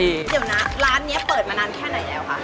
เดี๋ยวนะร้านนี้เปิดมานานแค่ไหนแล้วคะ